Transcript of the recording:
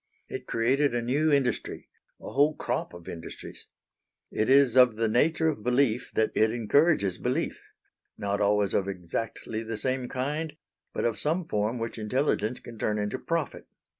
It created a new industry a whole crop of industries. It is of the nature of belief that it encourages belief not always of exactly the same kind but of some form which intelligence can turn into profit.